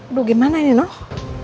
aduh gimana ini nuh